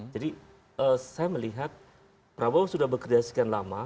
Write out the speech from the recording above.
saya melihat prabowo sudah bekerja sekian lama